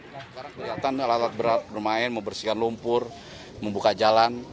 sekarang kelihatan alat alat berat bermain membersihkan lumpur membuka jalan